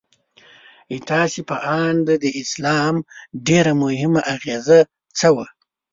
ستاسو په اند د اسلام ډېره مهمه اغیزه څه وه؟